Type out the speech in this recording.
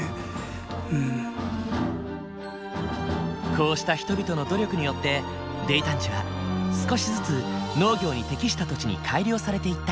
こうした人々の努力によって泥炭地は少しずつ農業に適した土地に改良されていった。